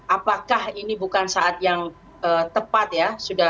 apakah ini bukan saat yang tepat ya